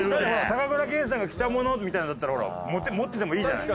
高倉健さんが着たものみたいなのだったら持っててもいいじゃない。